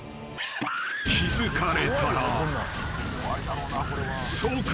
［気付かれたら］